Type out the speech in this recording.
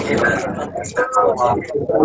tapi aku sama sama